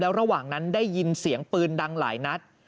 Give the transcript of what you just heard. ระหว่างนั้นได้ยินเสียงปืนดังหลายนัด